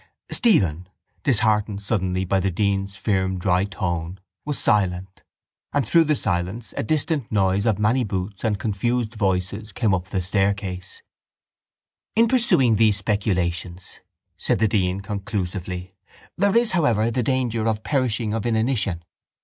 Stephen, disheartened suddenly by the dean's firm, dry tone, was silent; and through the silence a distant noise of many boots and confused voices came up the staircase. —In pursuing these speculations, said the dean conclusively, there is, however, the danger of perishing of inanition.